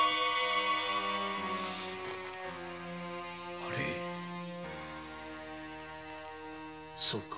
あれっ？そうか。